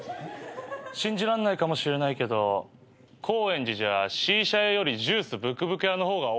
信じらんないかもしれないけど高円寺じゃシーシャ屋よりジュースブクブク屋の方が多いんだ。